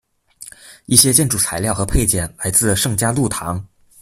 一些建筑材料和配件来自圣嘉禄堂。